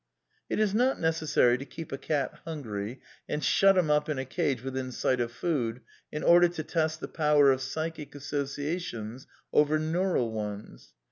It is not necessary to keep a cat hungry and shut him up in a cage within sight of food in order to test the power of psychic associations over neural ones.